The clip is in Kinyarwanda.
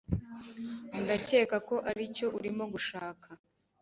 ndakeka ko aricyo urimo gushaka